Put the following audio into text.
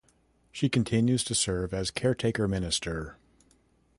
She continues to serve as caretaker minister.